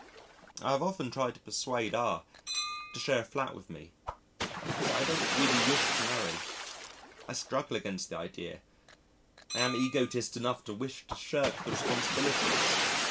I have often tried to persuade R to share a flat with me, because I don't really wish to marry. I struggle against the idea, I am egotist enough to wish to shirk the responsibilities.